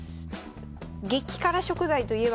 激辛食材といえば。